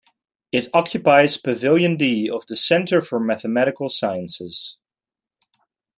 It occupies Pavilion D of the Centre for Mathematical Sciences.